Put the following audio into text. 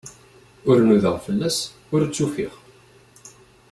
Ur nudaɣ fell-as, ur tt-ufiɣ.